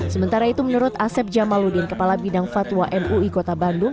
sementara itu menurut asep jamaludin kepala bidang fatwa mui kota bandung